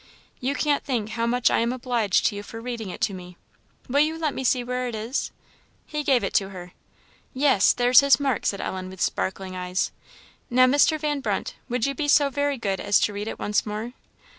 You can't think how much I am obliged to you for reading it to me. Will you let me see where it is?" He gave it her. "Yes, there's his mark!" said Ellen, with sparkling eyes. "Now, Mr. Van Brunt, would you be so very good as to read it once more?"